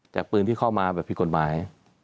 จากปืนที่เข้ามาแบบผิดกฎหมาย